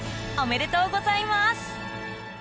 おめでとうございます。